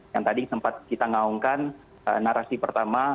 yang tadi sempat kita ngaungkan narasi pertama